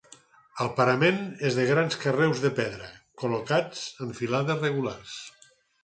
El parament és de grans carreus de pedra col·locats en filades regulars.